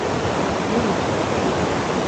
Mi la ci kpo.